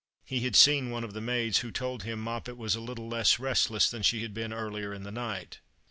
. He had seen one of the maids, who told him Mojjpet was a little less restless than she had been earlier in the night.